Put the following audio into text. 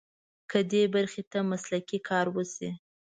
که دې برخې ته مسلکي کار وشي.